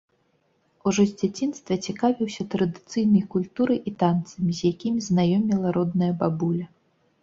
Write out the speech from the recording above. Ужо з дзяцінства цікавіўся традыцыйнай культурай і танцамі, з якімі знаёміла родная бабуля.